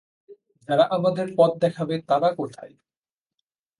যারা আমাদের পথ দেখাবে তারা কোথায়?